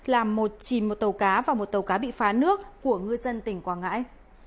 làm một chìm một tàu cá và một tàu cá bị phá nước của ngư dân tỉnh quảng ngãi